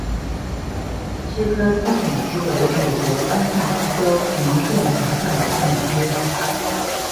斯科特镇区为美国堪萨斯州林县辖下的镇区。